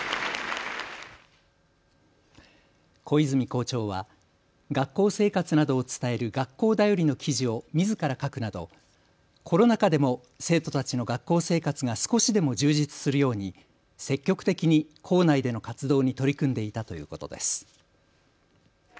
小泉校長は学校生活などを伝える学校だよりの記事をみずから書くなどコロナ禍でも生徒たちの学校生活が少しでも充実するように積極的に校内での活動に取り組んでいたということです。